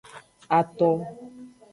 Aton.